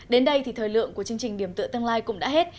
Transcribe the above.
đến đây thì thời lượng của chương trình điểm tựa tương lai cũng đã hết